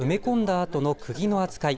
あとのくぎの扱い。